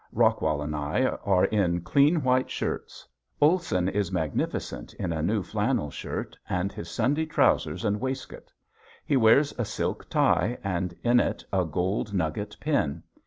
Rockwell and I are in clean white shirts, Olson is magnificent in a new flannel shirt and his Sunday trousers and waistcoat. He wears a silk tie and in it a gold nugget pin.